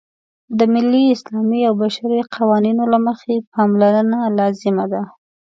د ملي، اسلامي او بشري قوانینو له مخې پاملرنه لازمه ده.